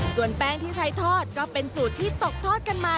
ส่วนแป้งที่ใช้ทอดก็เป็นสูตรที่ตกทอดกันมา